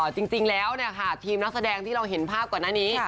จริงแล้วทีมนักแสดงที่เราเห็นภาพก่อนหน้านี้